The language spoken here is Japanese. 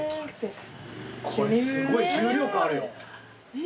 これすごい重量感あるよ結構。